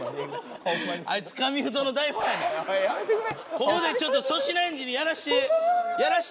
ここでちょっと粗品エンジにやらせて。